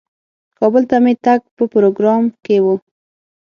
کابل ته مې تګ په پروګرام کې و.